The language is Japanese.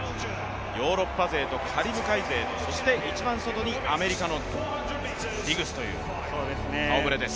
ヨーロッパ勢とカリブ海勢と、そして一番外にアメリカのディグスという顔ぶれです。